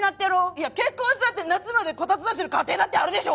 いや結婚したって夏までこたつ出してる家庭だってあるでしょうが！